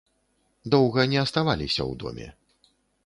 Доўга не аставаліся ў доме.